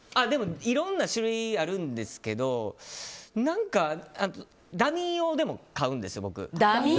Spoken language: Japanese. いろんな種類があるんですけどダミー用でも買うんですよ。